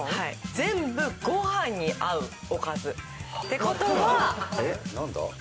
全部ご飯に合うおかずって事は。